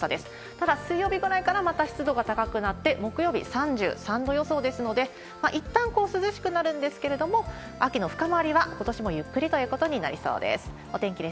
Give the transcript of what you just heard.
ただ、水曜日ぐらいからまた湿度が高くなって、木曜日、３３度予想ですので、いったん涼しくなるんですけれども、秋の深まりは、ことしもゆっくりということになりそうです。